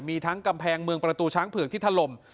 มีทั้งกำแพงเมืองประตูช้างเผือกที่ถล่ม